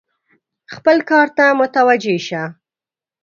خپل کار ته متوجه شه !